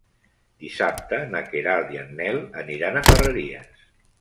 Dissabte na Queralt i en Nel aniran a Ferreries.